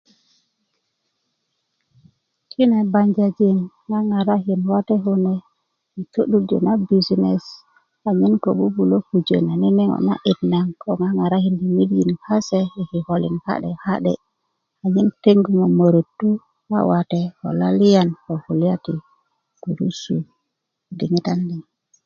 kine banjajin ŋaŋarakin wate kune i to'durjö na bisness anyen ko bubulö pujö na nene ŋo na'dit na ŋarakin midijik kase ka'de ka'de anyen tengu kulya ti momorotu nawate ko lalian i kulya ti gurusu i diŋitan liŋ